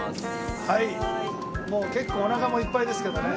もう結構おなかもいっぱいですけどね。